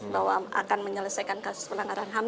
bahwa akan menyelesaikan kasus pelanggaran ham